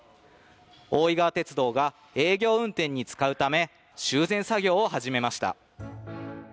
大井川鉄道が営業運転に使うため修繕作業を始めました。